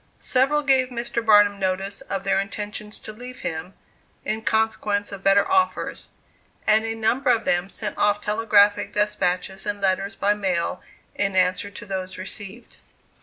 Several gave Mr. Barnum notice of their intention to leave him, in consequence of better offers; and a number of them sent off telegraphic despatches and letters by mail, in answer to those received.